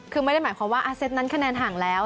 คือไม่ได้หมายความว่าอาเซตนั้นคะแนนห่างแล้ว